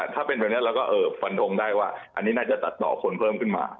ถ้าเป็นแบบนี้เราก็ฟันทงได้ว่าอันนี้น่าจะตัดต่อคนเพิ่มขึ้นมา